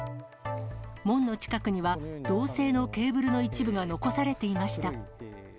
門の近くには、銅製のケーブルの一部が残されていました。